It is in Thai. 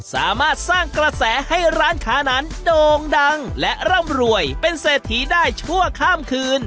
สร้างกระแสให้ร้านค้านั้นโด่งดังและร่ำรวยเป็นเศรษฐีได้ชั่วข้ามคืน